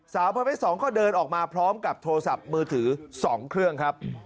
สาวประเภท๒ก็เดินออกมาพร้อมกับโทรศัพท์มือถือ๒เครื่องครับ